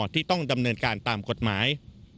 ที่ต้องดำเนินการตามกฎหมาย